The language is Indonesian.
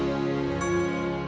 tempat apa itu